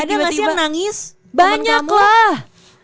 ada kasian nangis temen temen banyaklah